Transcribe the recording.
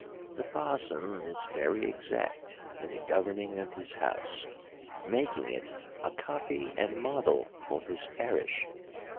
The Parson is very exact in the governing of his house, making it a copy and model for his parish.